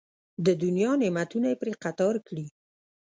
د دنیا نعمتونه یې پرې قطار کړي.